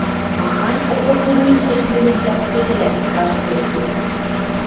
— Махань оппортунизмӹш мӹньӹм ярыкедӹлӓт? — ваштылеш Петр.